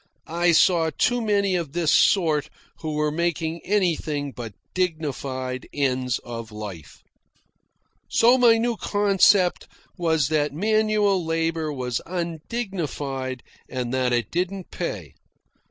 I saw too many of this sort who were making anything but dignified ends of life. So my new concept was that manual labour was undignified, and that it didn't pay.